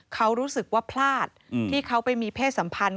เขารู้สึกว่าพลาดที่เขาไปมีเพศสัมพันธ์